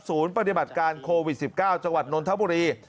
ปฏิบัติการโควิด๑๙จังหวัดนนทบุรี